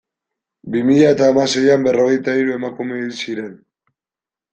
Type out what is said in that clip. Bi mila eta hamaseian berrogeita hiru emakume hil ziren.